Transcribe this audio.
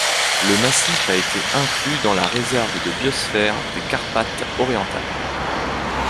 Le massif a été inclus dans la réserve de biosphère des Carpates orientales.